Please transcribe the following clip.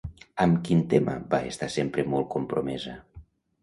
Amb quin tema va estar sempre molt compromesa?